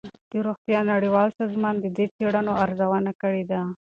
د روغتیا نړیوال سازمان د دې څېړنو ارزونه کړې ده.